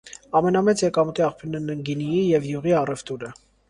Ամենամեծ եկամուտի աղբիւրներն են գինիի եւ իւղի առեւտուրը։